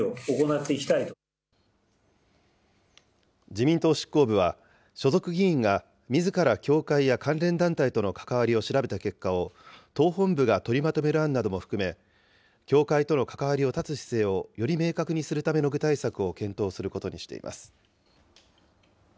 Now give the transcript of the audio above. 自民党執行部は、所属議員がみずから教会や関連団体との関わりを調べた結果を、党本部が取りまとめる案なども含め、教会との関わりを絶つ姿勢をより明確にするための具体策を検討することにしています。